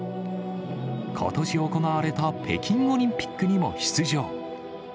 ことし行われた北京オリンピックにも出場。